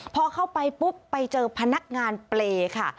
พอเข้าไปปุ๊บไปเจอพนักงานเปรย์ค่ะ